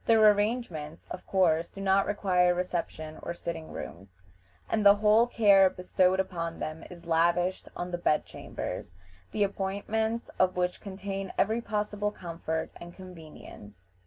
Their arrangements, of course, do not require reception or sitting rooms, and the whole care bestowed upon them is lavished on the bed chambers, the appointments of which contain every possible comfort and convenience.